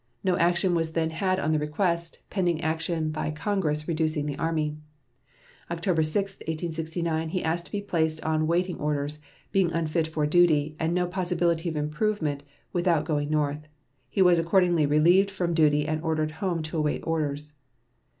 No action was then had on the request, pending action by Congress reducing the Army. October 6, 1869, he asked to be placed on waiting orders, being unfit for duty, and no possibility of improvement without going North. He was accordingly relieved from duty and ordered home to await orders.